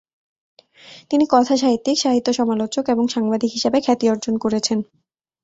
তিনি কথাসাহিত্যিক, সাহিত্য সমালোচক এবং সাংবাদিক হিসাবে খ্যাতি অর্জন করেছেন।